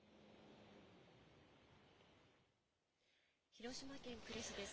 広島県呉市です。